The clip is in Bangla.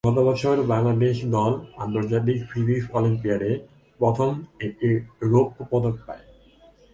গত বছর বাংলাদেশ দল আন্তর্জাতিক ফিজিকস অলিম্পিয়াডে প্রথম একটি রৌপ্য পদক পায়।